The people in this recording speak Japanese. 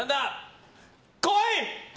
来い！